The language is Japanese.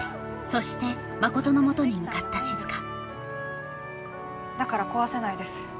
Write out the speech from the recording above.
そして真琴のもとに向かった静だから壊せないです